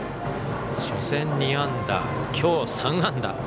初戦２安打、きょう３安打。